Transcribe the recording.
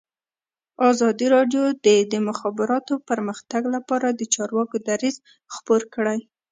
ازادي راډیو د د مخابراتو پرمختګ لپاره د چارواکو دریځ خپور کړی.